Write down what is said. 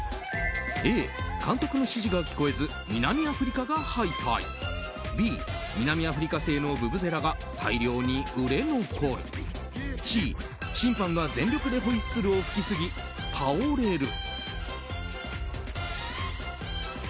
Ａ、監督の指示が聞こえず南アフリカが敗退Ｂ、南アフリカ製のブブゼラが大量に売れ残るＣ、審判が全力でホイッスルを吹きすぎ倒れる。